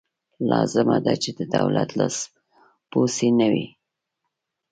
لازمه ده چې د دولت لاسپوڅې نه وي.